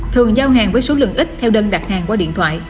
thường giao hàng với số lượng ít theo đơn đặt hàng qua điện thoại